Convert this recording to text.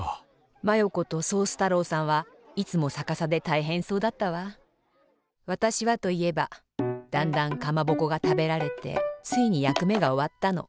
マヨ子とソース太郎さんはいつもさかさでたいへんそうだったわ。わたしはといえばだんだんかまぼこがたべられてついにやくめがおわったの。